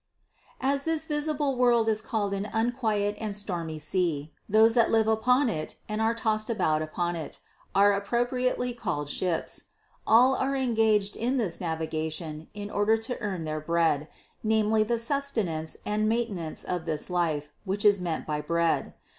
As this visible world is called an un quiet and stormy sea, those that live upon it and are tossed about upon it, can appropriately be called ships. All are engaged in this navigation in order to earn their bread, namely the sustenance and the maintenance of this life, which is meant by bread.